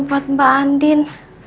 buat mbak andin